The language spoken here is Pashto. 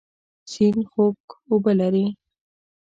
سیند خوږ اوبه لري.